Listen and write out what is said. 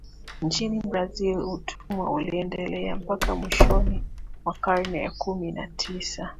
Nchini Brazil utumwa uliendelea mpaka mwishoni mwa karne ya kumi na tisa